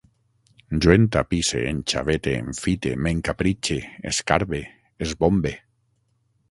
Jo entapisse, enxavete, enfite, m'encapritxe, escarbe, esbombe